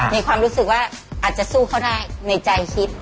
มีความรู้สึกว่าอาจจะสู้เขาได้ในใจคิด